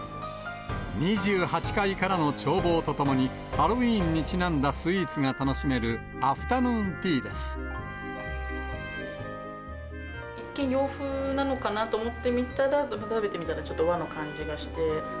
２８階からの眺望とともに、ハロウィーンにちなんだスイーツが楽しめる、一見洋風なのかなと思ってみたら、食べてみたらちょっと和の感じがして。